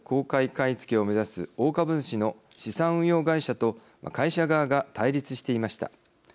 買い付けを目指す大株主の資産運用会社と会社側が対立していました。